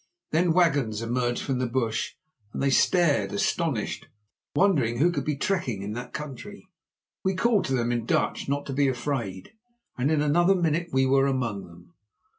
Then the wagons emerged from the bush, and they stared astonished, wondering who could be trekking in that country. We called to them in Dutch not to be afraid and in another minute we were among them.